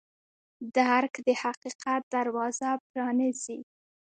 درک د حقیقت دروازه پرانیزي.